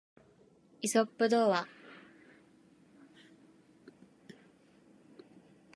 イソップ童話